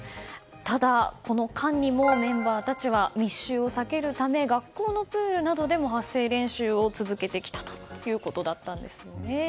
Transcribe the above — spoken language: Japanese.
ただ、この間にもメンバーたちは密集を避けるため学校のプールなどでも発声練習を続けてきたということだったんです。